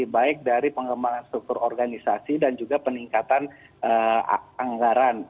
baik dari pengembangan struktur organisasi dan juga peningkatan anggaran